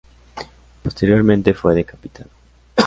Posteriormente fue decapitado.